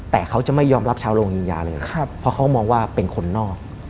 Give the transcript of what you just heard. แต่เขาจะไม่ยอมรับชาวโรงยิงยาเลยเพราะเขามองว่าเป็นคนนอก